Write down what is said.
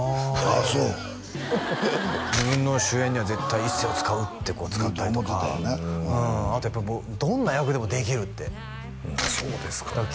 あああそう自分の主演には絶対一生を使うってこう使ったりとかあとやっぱどんな役でもできるってそうですかね